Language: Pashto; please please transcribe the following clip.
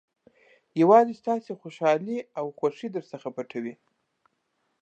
یوازې ستاسو خوشالۍ او خوښۍ درڅخه پټوي.